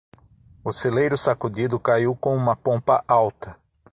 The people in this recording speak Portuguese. O celeiro sacudido caiu com uma pompa alta.